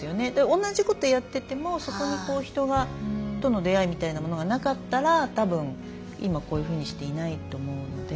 同じことやっててもそこに人との出会いみたいなものがなかったらたぶん今こういうふうにしていないと思うので。